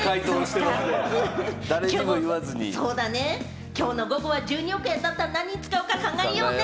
そうだね、きょうの午後は１２億円当たったら何に使おうか考えようね。